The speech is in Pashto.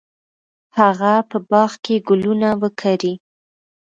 هغه په باغ کې ګلونه وکري.